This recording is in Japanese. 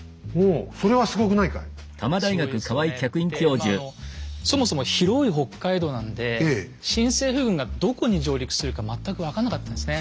でそもそも広い北海道なんで新政府軍がどこに上陸するか全く分かんなかったんですね。